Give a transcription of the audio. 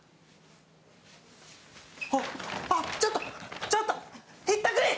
あっ、ちょっと、ちょっとひったくり！